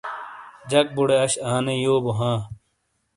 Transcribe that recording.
جک بُوڑے اش آنے یو بو ہاں۔